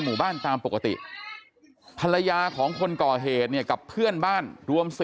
หมู่บ้านตามปกติภรรยาของคนก่อเหตุเนี่ยกับเพื่อนบ้านรวม